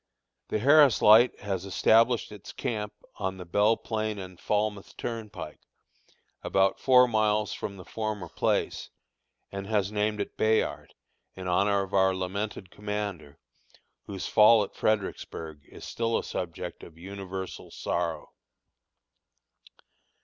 The Harris Light has established its camp on the Belle Plain and Falmouth Turnpike, about four miles from the former place, and has named it "Bayard," in honor of our lamented commander, whose fall at Fredericksburg is still a subject of universal sorrow.